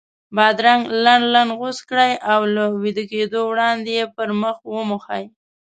بادرنګ لنډ لنډ غوڅ کړئ او له ویده کېدو وړاندې یې پر مخ وموښئ.